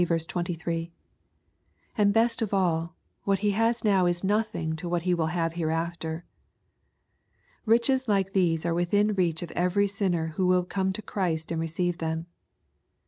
And best of all, what he has now is nothing to what he will have hereafter. Kiches like these are within reach of every sinner who will come to Christ and receive them.